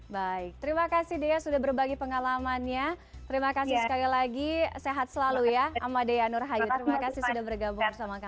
baik terima kasih dea sudah berbagi pengalamannya terima kasih sekali lagi sehat selalu ya amadea nurhayu terima kasih sudah bergabung bersama kami